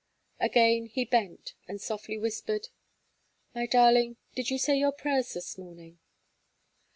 Again he bent, and softly whispered: "My darling, did you say your prayers this morning?"